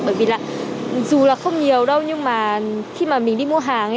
bởi vì là dù là không nhiều đâu nhưng mà khi mà mình đi mua hàng